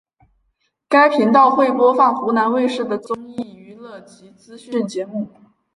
该频道会播放湖南卫视的综艺娱乐及资讯节目。